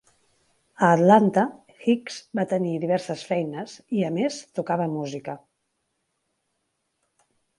A Atlanta, Hicks va tenir diverses feines i, a més, tocava música.